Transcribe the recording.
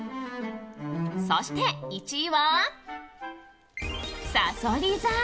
そして１位は、さそり座。